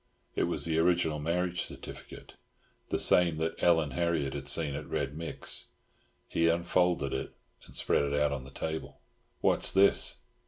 It was the original marriage certificate, the same that Ellen Harriott had seen at Red Mick's. He unfolded it and spread it out on the table. "What's this?"